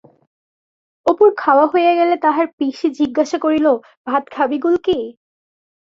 অপুর খাওয়া হইয়া গেলে তাহার পিসি জিজ্ঞাসা করিল-ভাত খাবি গুলকী?